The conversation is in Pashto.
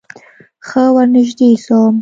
ښه ورنژدې سوم.